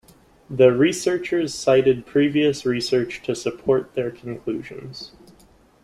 The researchers cited previous research to support their conclusions.